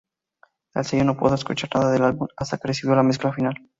El sello no pudo escuchar nada del álbum hasta que recibió la mezcla final.